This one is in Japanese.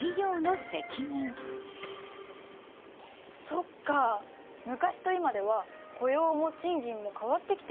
そっか昔と今では雇用も賃金も変わってきてるんだ。